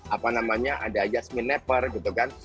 apa namanya ada jasmine nepper gitu kan